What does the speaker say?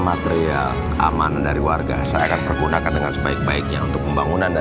material aman dari warga saya akan pergunakan dengan sebaik baiknya untuk pembangunan